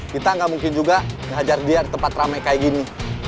kita nggak mungkin juga ngajar dia di tempat ramai kayak gini